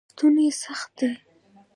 ستوني سخت دی.